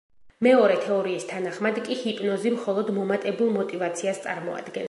მეორე თეორიის თანახმად კი ჰიპნოზი მხოლოდ მომატებულ მოტივაციას წარმოადგენს.